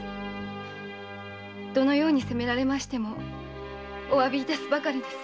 どのように責められましてもお詫び致すばかりです。